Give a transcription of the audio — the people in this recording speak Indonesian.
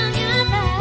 agar semua tak berakhir